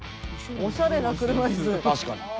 おしゃれな車いす。